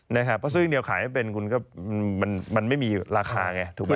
เพราะซื้ออย่างเดียวขายไม่เป็นคุณก็มันไม่มีราคาไงถูกไหม